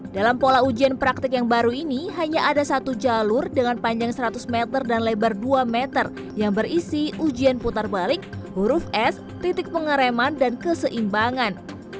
dalam pola ujian praktik yang baru ini hanya ada satu jalur dengan panjang seratus meter dan lebar dua meter yang berisi ujian putar balik huruf s titik pengereman dan keseimbangan